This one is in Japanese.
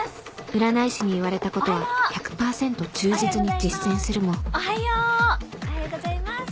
占い師に言われたことは１００％忠実に実践するもおはよう！おはようございます！